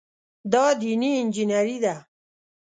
دا دیني انجینیري ده.